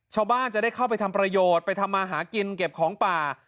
ชาวบ้านจะได้เข้าไปทำประโยชน์ไปทำมาหากินเก็บของป่า